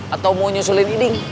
atau mau nyusulin iding